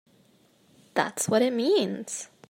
That's what it means!